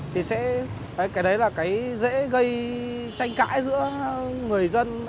thì sẽ cái đấy là cái dễ gây tranh cãi giữa người dân